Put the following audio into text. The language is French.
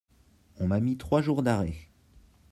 on m'a mis trois jours d'arrêt.